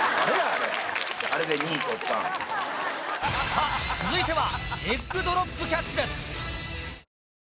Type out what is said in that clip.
さぁ続いては。